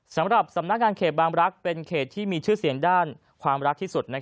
สำหรับสำนักงานเขตบางรักษ์เป็นเขตที่มีชื่อเสียงด้านความรักที่สุด